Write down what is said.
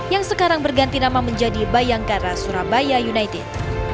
yang sekarang berganti nama menjadi bayangkara surabaya united